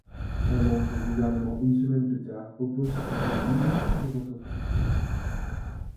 Elle entre au gouvernement une semaine plus tard, au poste de ministre des Entreprises.